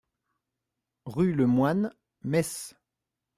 Rue le Moyne, Metz